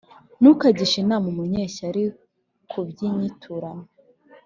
ntukagishe inama umunyeshyari ku by’inyiturano,